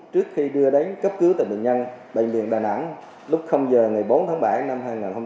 trước khi đưa đánh cấp cứu tại bệnh viện đà nẵng lúc h ngày bốn tháng bảy năm hai nghìn một mươi chín